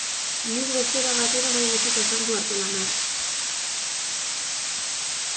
Nik beste era batera nahi dizut azaldu artelan hau.